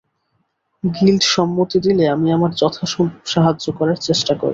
Guild সম্মতি দিলে, আমি আমার যথাসম্ভব সাহায্য করার চেষ্টা করবো।